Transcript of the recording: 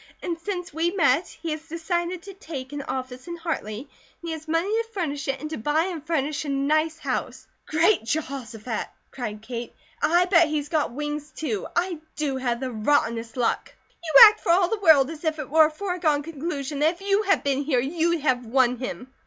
And since we met he has decided to take an office in Hartley, and he has money to furnish it, and to buy and furnish a nice house." "Great Jehoshaphat!" cried Kate. "And I bet he's got wings, too! I do have the rottenest luck!" "You act for all the world as if it were a foregone conclusion that if you had been here, you'd have won him!"